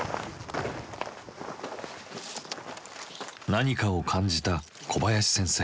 何かを感じた小林先生。